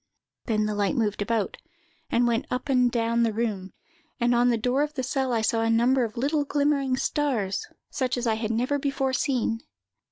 Then the light moved about, and went up and down the room; and on the door of the cell I saw a number of little glimmering stars, such as I had never before seen.